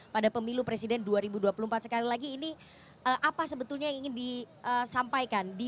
pada pemilu presiden dua ribu dua puluh empat sekali lagi ini apa sebetulnya yang ingin disampaikan